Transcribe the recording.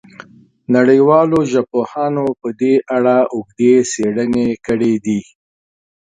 نړیوالو ژبپوهانو په دې اړه اوږدې څېړنې کړې دي.